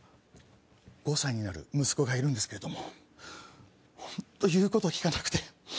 ５歳になる息子がいるんですけれども本当言うこと聞かなくて。